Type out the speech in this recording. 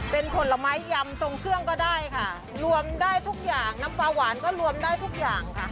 เป็นผลไม้ยำทรงเครื่องก็ได้ค่ะรวมได้ทุกอย่างน้ำปลาหวานก็รวมได้ทุกอย่างค่ะ